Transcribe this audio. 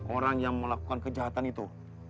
orang yang melakukan kejahatan itu